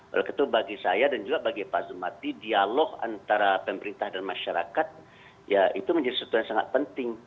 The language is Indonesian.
oleh karena itu bagi saya dan juga bagi pak zumati dialog antara pemerintah dan masyarakat ya itu menjadi sesuatu yang sangat penting